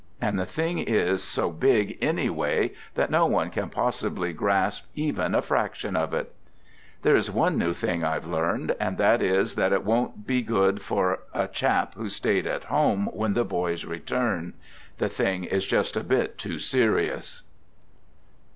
And the thing is so big anyway that no one can possibly grasp even a fraction of it. There is one new thing IVe learned, and that is that it won't be good for a chap who stayed at home, when the boys return. The thing is just a bit too serious.